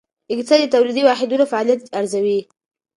اقتصاد د تولیدي واحدونو فعالیتونه ارزوي.